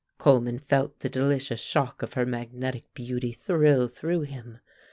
Coleman felt the delicious shock of her magnetic beauty thrill through him.